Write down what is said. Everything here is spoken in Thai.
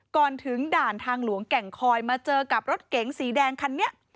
ก่อนถึงด่านทางหลวงแก่งคอยมาเจอกับรถเก๋งสีแดงคันนี้